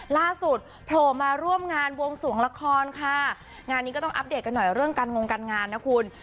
โผล่มาร่วมงานวงสวงละครค่ะงานนี้ก็ต้องอัปเดตกันหน่อยเรื่องการงงการงานนะคุณ